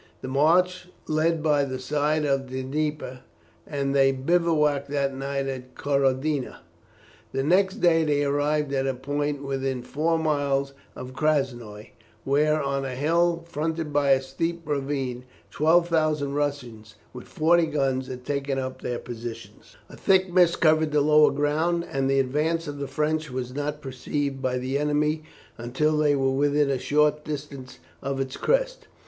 The march led by the side of the Dnieper, and they bivouacked that night at Korodnia. The next day they arrived at a point within four miles of Krasnoi, where, on a hill, fronted by a deep ravine, 12,000 Russians, with forty guns, had taken up their position. A thick mist covered the lower ground, and the advance of the French was not perceived by the enemy until they were within a short distance of its crest.